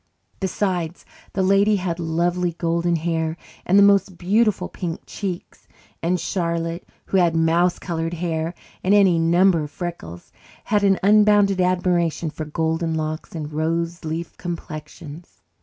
Besides, the Lady had lovely golden hair and the most beautiful pink cheeks, and Charlotte, who had mouse coloured hair and any number of freckles, had an unbounded admiration for golden locks and roseleaf complexions.